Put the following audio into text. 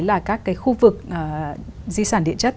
là các cái khu vực di sản điện chất